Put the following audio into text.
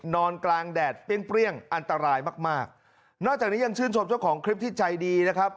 นอนกลางแดดเปรี้ยเปรี้ยงอันตรายมากมากนอกจากนี้ยังชื่นชมเจ้าของคลิปที่ใจดีนะครับ